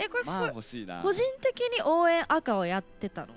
個人的に応援アカをやってたの？